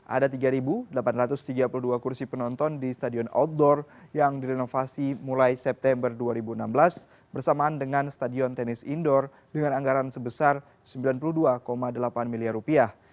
ada tiga delapan ratus tiga puluh dua kursi penonton di stadion outdoor yang direnovasi mulai september dua ribu enam belas bersamaan dengan stadion tenis indoor dengan anggaran sebesar sembilan puluh dua delapan miliar rupiah